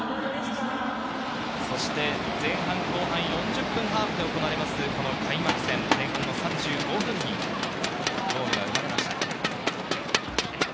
そして前半後半４０分ハーフで行われます、この開幕戦、前半３５分にゴールが生まれました。